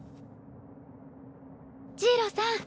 ジイロさん